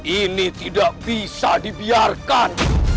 ini tidak bisa dibiarkan